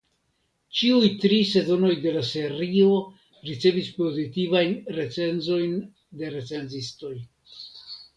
Ĉiuj tri sezonoj de la serio ricevis pozitivajn recenzojn de recenzistoj.